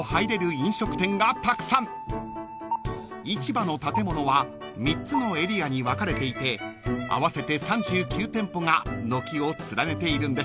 ［市場の建物は３つのエリアに分かれていて合わせて３９店舗が軒を連ねているんです］